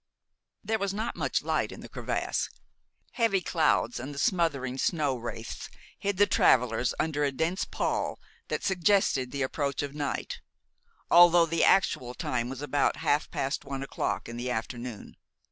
There was not much light in the crevasse. Heavy clouds and the smothering snow wraiths hid the travelers under a dense pall that suggested the approach of night, although the actual time was about half past one o'clock in the afternoon.